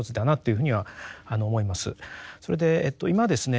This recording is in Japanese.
それで今ですね